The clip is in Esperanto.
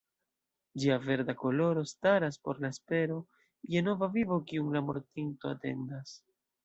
Ĝia verda koloro staras por la espero je nova vivo kiun la mortinto atendas.